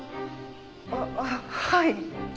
あっはい。